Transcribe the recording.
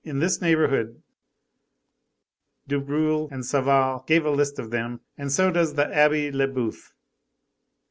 In this neighborhood! Du Breul and Sauval give a list of them, and so does the Abbé Lebeuf.